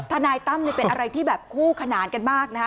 ทนายตั้มนี่เป็นอะไรที่แบบคู่ขนานกันมากนะคะ